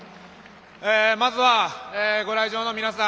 まずは、ご来場の皆さん